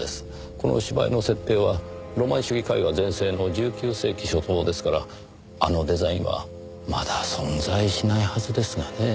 この芝居の設定はロマン主義絵画全盛の１９世紀初頭ですからあのデザインはまだ存在しないはずですがねぇ。